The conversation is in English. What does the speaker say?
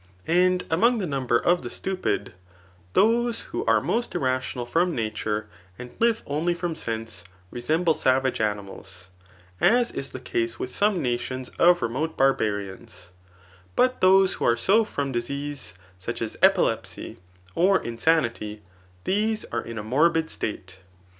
And among the number of the stu pid, those who are most irrational from nature, and live only from sense, resemble savage animsds, as is the case with some nations of remote barbarians ; but those who are so from disease, such as epilepsy, or insanity, these are in a morbid state.